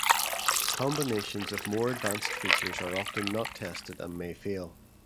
Combinations of more advanced features are often not tested and may fail.